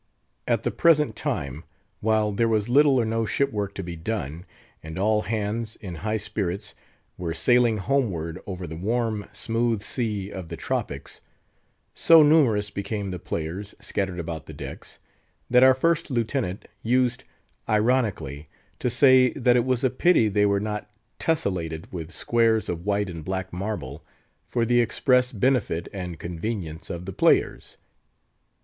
At the present time, while there was little or no shipwork to be done, and all hands, in high spirits, were sailing homeward over the warm smooth sea of the tropics; so numerous became the players, scattered about the decks, that our First Lieutenant used ironically to say that it was a pity they were not tesselated with squares of white and black marble, for the express benefit and convenience of the players.